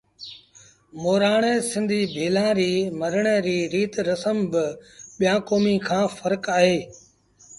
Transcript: مورآڻي سنڌيٚ ڀيٚلآݩ ري مرڻي ريٚ ريٚت رسم با ٻيٚآݩ ڪوميݩ کآݩ ڦرڪ اهي